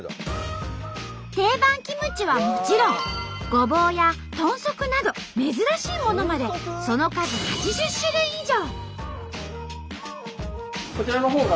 定番キムチはもちろんごぼうや豚足など珍しいものまでその数８０種類以上！